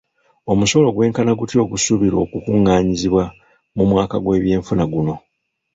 Omusolo gwenkana gutya ogusuubirwa okukungaanyizibwa mu mwaka gw'ebyenfuna guno?